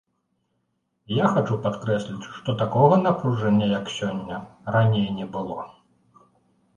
Я хачу падкрэсліць, што такога напружання, як сёння, раней не было.